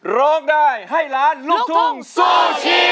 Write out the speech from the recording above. ร้องได้ให้ล้านลูกทุ่งสู้ชีวิต